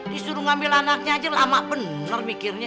disuruh ngambil anaknya aja lama benar mikirnya